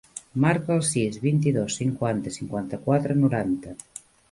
Marca el sis, vint-i-dos, cinquanta, cinquanta-quatre, noranta.